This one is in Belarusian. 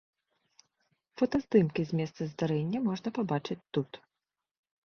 Фотаздымкі з месца здарэння можна пабачыць тут.